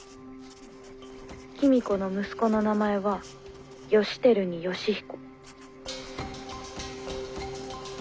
公子の息子の名前は義輝に義彦。